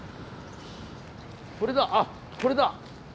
これだあこれだ！